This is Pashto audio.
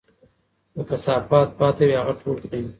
که کثافات پاتې وي، هغه ټول کړئ.